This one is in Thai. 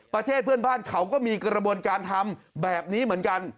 ประเทศเพื่อนบ้านเขาก็มีกระบวนการทำแบบนี้เหมือนกัน